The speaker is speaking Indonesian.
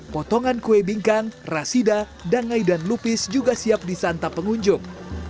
potongan kue bingkang rasida danai dan lupis juga siap disantap pengunjung